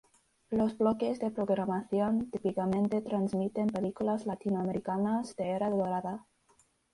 Los bloques de programación típicamente transmiten películas latinoamericanas de era dorada.